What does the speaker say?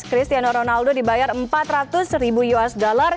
cristiano ronaldo dibayar empat ratus ribu usd